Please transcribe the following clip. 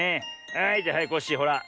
はいじゃはいコッシーほら。